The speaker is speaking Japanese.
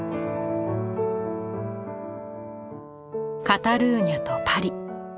カタルーニャとパリ。